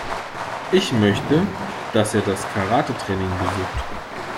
Ich möchte, dass er das Karatetraining besucht.